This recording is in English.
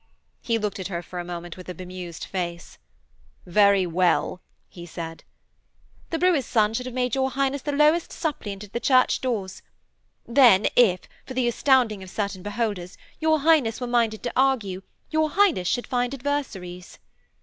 He looked at her for a moment with a bemused face. 'Very well,' he said. 'The brewer's son should have made your Highness the lowest suppliant at the Church doors. Then, if, for the astounding of certain beholders, your Highness were minded to argue, your Highness should find adversaries.'